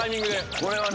これはね